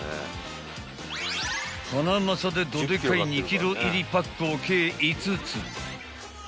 ［ハナマサでどでかい２ｋｇ入りパックを計５つ］